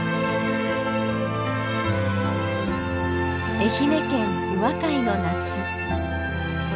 愛媛県宇和海の夏。